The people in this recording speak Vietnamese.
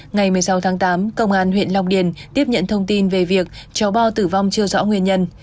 ngày một mươi sáu tháng tám công an huyện long điền tiếp nhận thông tin về việc cháu bo tử vong chưa rõ nguyên nhân